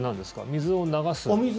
水を流す？